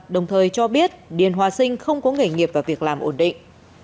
đồng thời cho biết điền hòa sinh không có nghề nghiệp và việc làm ổn định